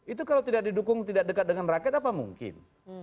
itu kalau tidak didukung tidak dekat dengan rakyat apa mungkin